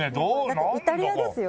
だってイタリアですよ？